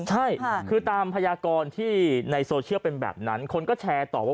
ใช่คือตามพยากรที่ในโซเชียลเป็นแบบนั้นคนก็แชร์ต่อว่า